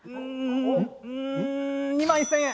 うーん２万１０００円！